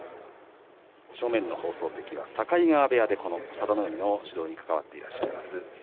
正面の放送席は境川部屋でこの佐田の海の指導に関わっていらっしゃいます